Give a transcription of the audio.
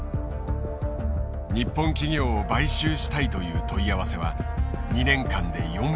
日本企業を買収したいという問い合わせは２年間で４倍に急増。